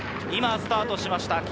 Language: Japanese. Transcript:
今、スタートしました。